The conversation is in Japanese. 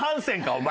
お前。